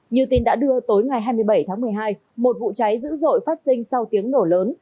như tin đã đưa tối ngày hai mươi bảy tháng một mươi hai một vụ cháy dữ dội phát sinh sau tiếng nổ lớn